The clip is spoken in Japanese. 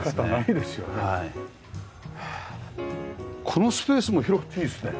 このスペースも広くていいですね。